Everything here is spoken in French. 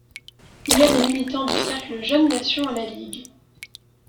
Il y a des militants du Cercle Jeune Nation à la Ligue.